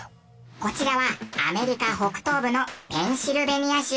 こちらはアメリカ北東部のペンシルベニア州。